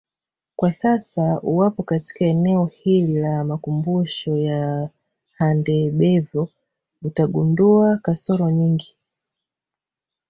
Kwa sasa uwapo katika eneo hili la makumbusho ya Handebevyo utagundua kasoro nyingi